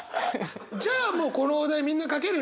じゃあもうこのお題みんな書けるね！